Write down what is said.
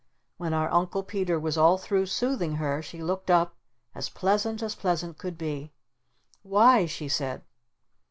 When our Uncle Peter was all through soothing her she looked up as pleasant as pleasant could be. "WHY?" she said.